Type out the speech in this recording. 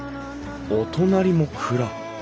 お隣も蔵。